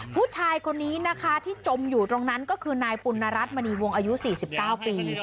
ผู้ชายคนนี้นะคะที่จมอยู่ตรงนั้นก็คือนายปุณรัฐมณีวงอายุ๔๙ปี